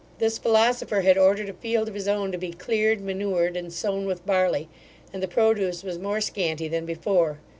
This philosopher had ordered a field of his own to be cleared, manured and sown with barley, and the produce was more scanty than before.